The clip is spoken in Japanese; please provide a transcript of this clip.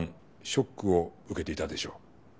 ショックを受けていたでしょう。